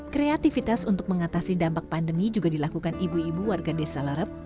kreativitas untuk mengatasi dampak pandemi juga dilakukan ibu ibu warga desa larep